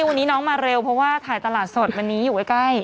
วันนี้น้องมาเร็วเพราะว่าถ่ายตลาดสดวันนี้อยู่ใกล้